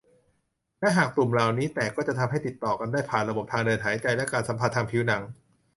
และหากตุ่มเหล่านี้แตกก็จะทำให้ติดต่อกันได้ผ่านระบบทางเดินหายใจ และการสัมผัสทางผิวหนัง